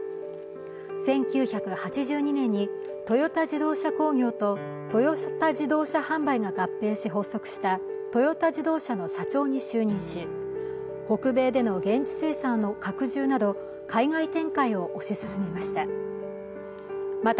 １９８２年にトヨタ自動車工業とトヨタ自動車販売が合併し発足したトヨタ自動車の社長に就任し、北米での現地生産の拡充など海外展開を推し進めました。